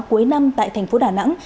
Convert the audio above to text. cuối năm tại thành phố đà nẵng